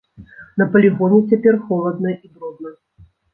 На палігоне цяпер холадна і брудна.